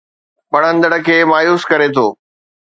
پڙهندڙ کي مايوس ڪري ٿو